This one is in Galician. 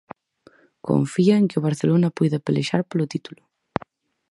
Confía en que o Barcelona poida pelexar polo titulo.